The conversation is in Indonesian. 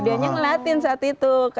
dia ngeliatin saat itu